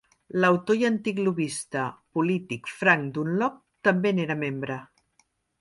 L'autor i antic lobbista polític Frank Dunlop també n'era membre.